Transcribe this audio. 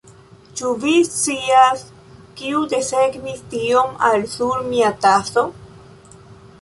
Ĉu vi scias kiu desegnis tion al sur mia taso?